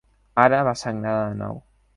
Ara va sagnar de nou.